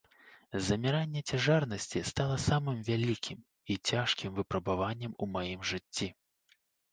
Заміранне цяжарнасці стала самым вялікім і цяжкім выпрабаваннем у маім жыцці.